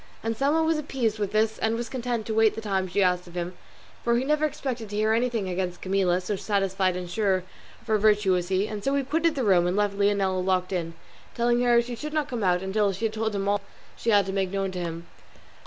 Anselmo was appeased with this, and was content to wait the time she asked of him, for he never expected to hear anything against Camilla, so satisfied and sure of her virtue was he; and so he quitted the room, and left Leonela locked in, telling her she should not come out until she had told him all she had to make known to him.